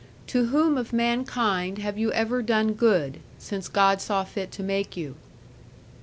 To whom of mankind have you ever done good, since God saw fit to make you?'